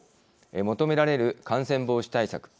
求められる感染防止対策。